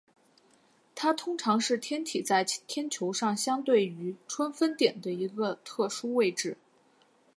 它通常是天体在天球上相对于春分点的一个特殊位置。